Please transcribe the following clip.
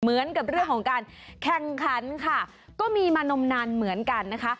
เหมือนกับเรื่องของการแข่งขันค่ะก็มีมานมนานเหมือนกันนะคะ